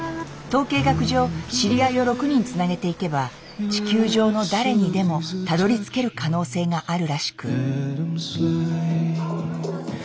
統計学上知り合いを６人つなげていけば地球上の誰にでもたどりつける可能性があるらしく。